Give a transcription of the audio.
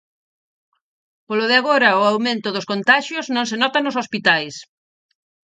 Polo de agora o aumento dos contaxios non se nota nos hospitais.